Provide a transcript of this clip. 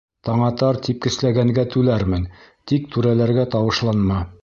— Таңатар, типкесләгәнгә түләрмен, тик түрәләргә тауышланма!